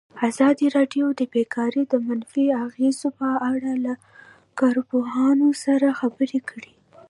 ازادي راډیو د بیکاري د منفي اغېزو په اړه له کارپوهانو سره خبرې کړي.